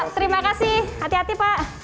terima kasih hati hati pak